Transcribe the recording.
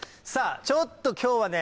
ちょっと今日は。